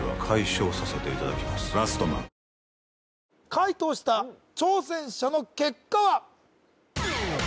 解答した挑戦者の結果は？